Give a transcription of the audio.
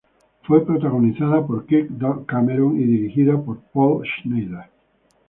Fue protagonizada por Kirk Cameron y dirigida por Paul Schneider.